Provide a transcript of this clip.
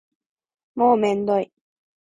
もうめんどい